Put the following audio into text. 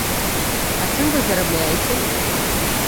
А чым вы зарабляеце?